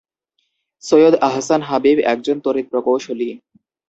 সৈয়দ আহসান হাবিব একজন তড়িৎ প্রকৌশলী।